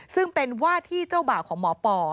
ซึ่งเป็นว่าที่เจ้าบ่าวของหมอปอ